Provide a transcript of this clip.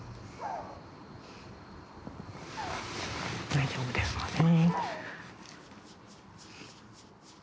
大丈夫ですのでね。